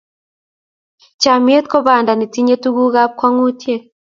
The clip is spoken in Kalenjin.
chamiet ko banda netinye tuguk ab kwangutiet